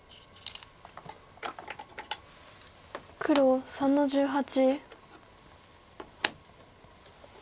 黒３の十八。